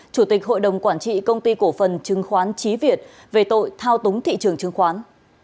chủ tịch hội đồng quản trị công ty cổ phần chứng khoán trí việt về tội thao túng thị trường chứng khoán